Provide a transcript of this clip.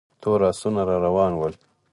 تور آسونه را روان ول.